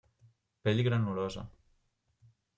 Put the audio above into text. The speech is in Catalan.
Pell granulosa.